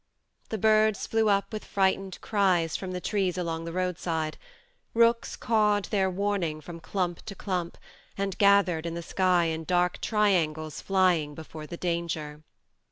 The birds flew up with frightened cries from the trees along the roadside ; rooks cawed their warning from clump to clump, and gathered in the sky in dark triangles flying before the danger.